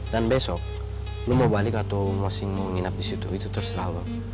dan besok lo mau balik atau masih mau nginap disitu itu terserah lo